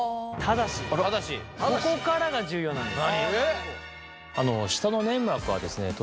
ここからが重要なんです。